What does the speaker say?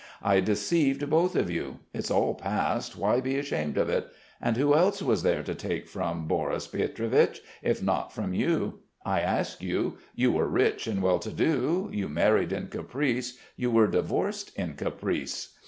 I deceived both of you.... It's all past, why be ashamed of it? And who else was there to take from, Boris Pietrovich, if not from you? I ask you.... You were rich and well to do. You married in caprice: you were divorced in caprice.